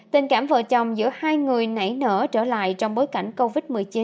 tình cảm vợ chồng giữa hai người nảy nở trở lại trong bối cảnh covid một mươi chín